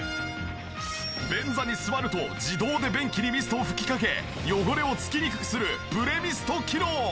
便座に座ると自動で便器にミストを吹きかけ汚れを付きにくくするプレミスト機能！